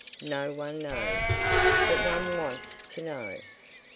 No one knows, but one wants to know.